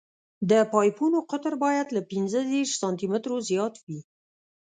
د پایپونو قطر باید له پینځه دېرش سانتي مترو زیات وي